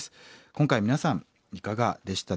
今回皆さんいかがでしたでしょうか？